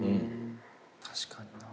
確かにな。